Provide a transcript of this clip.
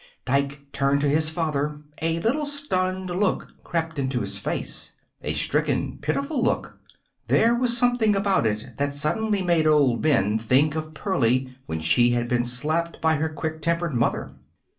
Dike turned to his father. A little stunned look crept into his face. A stricken, pitiful look. There was something about it that suddenly made old Ben think of Pearlie when she had been slapped by her quick tempered mother.